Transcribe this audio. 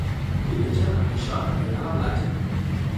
Diumenge en Quixot anirà a la platja.